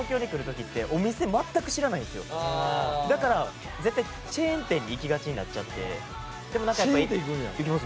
だから絶対チェーン店に行きがちになっちゃって。